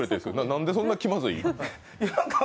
なんでそんなに気まずい？